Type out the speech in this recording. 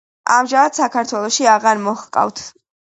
ამჟამად საქართველოში აღარ მოჰყავთ.